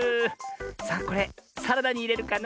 さあこれサラダにいれるかな？